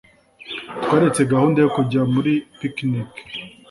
Twaretse gahunda yo kujya muri picnic.